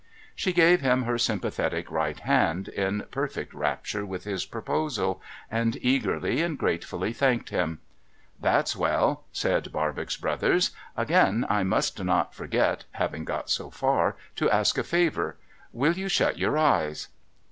She gave him her sympathetic right hand, in perfect rapture with his proposal, and eagerly and gratefully thanked him. ' That's well !' said Barbox Brothers. ' Again I must not forget {having got so far) to ask a favour. Will you shut your eyes